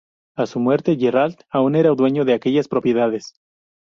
A su muerte Gerald aún era dueño de aquellas propiedades.